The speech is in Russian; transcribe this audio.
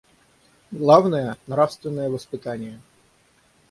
Главное — нравственное воспитание.